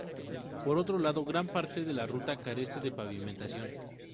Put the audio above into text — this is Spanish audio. Por otro lado, gran parte de la ruta carece de pavimentación.